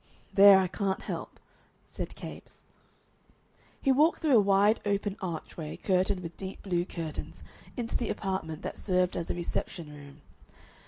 "There I can't help," said Capes. He walked through a wide open archway, curtained with deep blue curtains, into the apartment that served as a reception room.